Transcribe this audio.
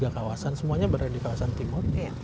enam puluh tiga kawasan semuanya berada di kawasan timur